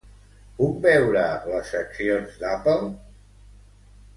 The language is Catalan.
Puc veure les accions d'Apple?